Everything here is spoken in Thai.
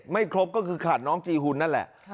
ไม่ครบก็คือขาดน้องจีหุ่นนั่นแหละ